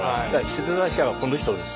出題者はこの人です。